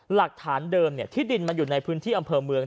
หลักฐานเดิมที่ดินมันอยู่ในพื้นที่อำเภอเมือง